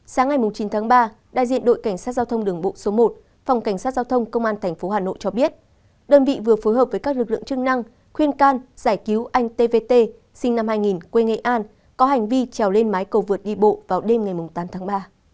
sáng ngày chín tháng ba đại diện đội cảnh sát giao thông đường bộ số một phòng cảnh sát giao thông công an tp hà nội cho biết đơn vị vừa phối hợp với các lực lượng chức năng khuyên can giải cứu anh tv sinh năm hai nghìn quê nghệ an có hành vi trèo lên mái cầu vượt đi bộ vào đêm ngày tám tháng ba